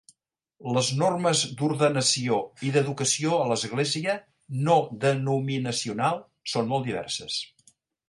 Les normes d'ordenació i d'educació a l'església no denominacional són molt diverses.